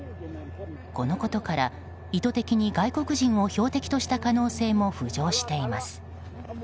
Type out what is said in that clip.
このことから意図的に外国人を標的とした可能性も浮上しています。